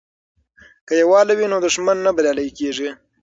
که یووالي وي نو دښمن نه بریالی کیږي.